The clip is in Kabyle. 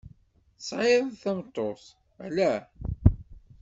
Tesɛiḍ tameṭṭut, alla?